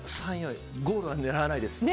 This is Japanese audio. ゴールは狙わないです。